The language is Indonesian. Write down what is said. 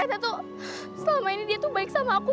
saya tuh selama ini dia tuh baik sama aku